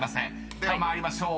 ［では参りましょう。